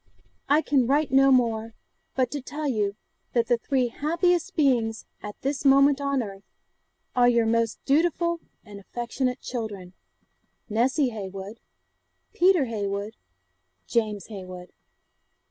I can write no more, but to tell you, that the three happiest beings at this moment on earth, are your most dutiful and affectionate children, 'NESSY HEYWOOD. 'PETER HEYWOOD. 'JAMES HEYWOOD.